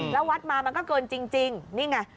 แล้ววัดมามันก็เกินจริงนี่ไง